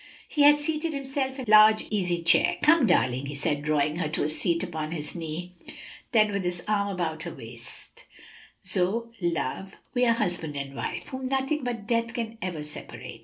He had seated himself in a large easy chair. "Come, darling," he said, drawing her to a seat upon his knee. Then with his arm about her waist, "Zoe, love, we are husband and wife, whom nothing but death can ever separate.